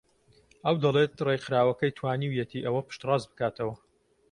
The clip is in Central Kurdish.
ئەو دەڵێت ڕێکخراوەکەی توانیویەتی ئەوە پشتڕاست بکاتەوە